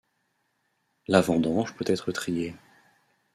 La vendange peut être triée.